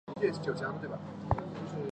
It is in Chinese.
十项全能七项全能